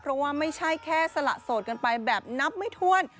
เพราะว่าไม่ใช่แค่สละโสดกันไปแบบนับไม่ถ้วน